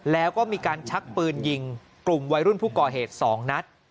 แล้วก็มีการชักปืนยิงกลุ่มวัยรุ่นผู้ก่อเหตุ๒นัด